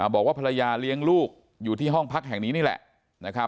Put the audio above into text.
บอกว่าภรรยาเลี้ยงลูกอยู่ที่ห้องพักแห่งนี้นี่แหละนะครับ